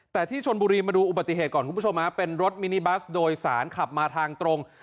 แต่ที่ชนบุรีมาดูอุบัติเหตุก่อนคุณผู้ชมฮะเป็นรถมินิบัสโดยสารขับมาทางตรง